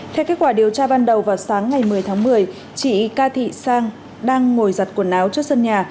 theo kết quả điều tra ban đầu vào sáng ngày một mươi tháng một mươi chị ca thị sang đang ngồi giặt quần áo trước sân nhà